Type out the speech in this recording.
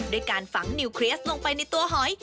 ด้วยการฝังนิวเคลียร์ลงไปในตัวหอย